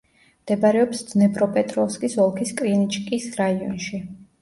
მდებარეობს დნეპროპეტროვსკის ოლქის კრინიჩკის რაიონში.